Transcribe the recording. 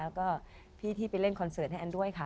แล้วก็พี่ที่ไปเล่นคอนเสิร์ตให้แอนด้วยค่ะ